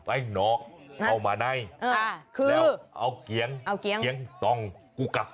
ไอ้นอกเอามาในแล้วเอาเกี๊ยงเอาเกี๊ยงสองกุกัก